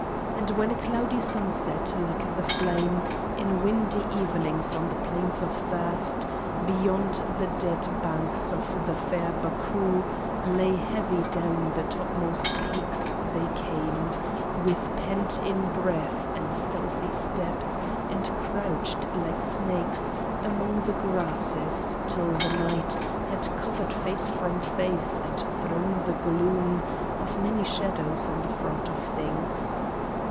And when a cloudy sunset, like the flame In windy evenings on the Plains of Thirst Beyond the dead banks of the far Barcoo, Lay heavy down the topmost peaks, they came, With pent in breath and stealthy steps, and crouched, Like snakes, amongst the grasses, till the night Had covered face from face, and thrown the gloom Of many shadows on the front of things.